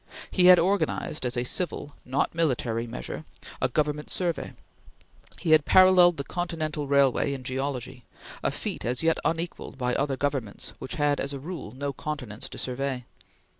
He had organized, as a civil not military measure, a Government Survey. He had paralleled the Continental Railway in Geology; a feat as yet unequalled by other governments which had as a rule no continents to survey.